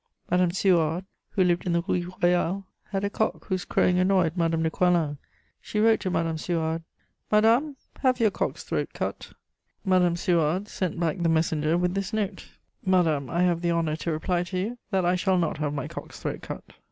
Madame Suard, who lived in the Rue Royale, had a cock whose crowing annoyed Madame de Coislin. She wrote to Madame Suard: "Madame, have your cock's throat cut." Madame Suard sent back the messenger with this note: "Madame, I have the honour to reply to you that I shall not have my cock's throat cut."